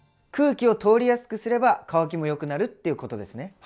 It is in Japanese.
空気を通りやすくすれば乾きもよくなるっていうことですね。